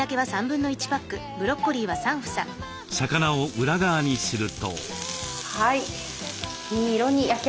魚を裏側にすると。